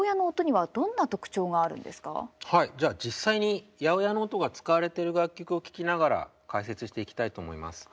はいじゃあ実際に８０８の音が使われてる楽曲を聴きながら解説していきたいと思います。